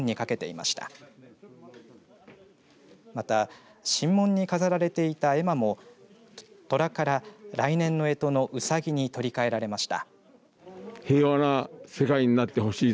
また神門に飾られていた絵馬もとらから来年のえとのうさぎに取り替えられました。